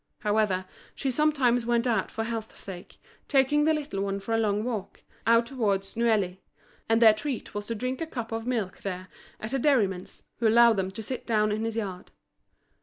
However, she sometimes went out for health's sake, taking the little one for a long walk, out towards Neuilly; and their treat was to drink a cup of milk there at a dairyman's, who allowed them to sit down in his yard.